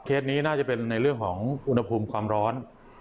นี้น่าจะเป็นในเรื่องของอุณหภูมิความร้อน